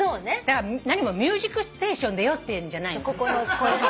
だから何も『ミュージックステーション』出ようっていうんじゃないの。